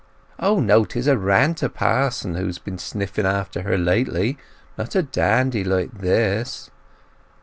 "O no. 'Tis a ranter pa'son who's been sniffing after her lately; not a dandy like this."